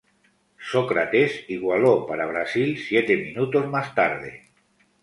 Sócrates igualó para Brasil siete minutos más tarde.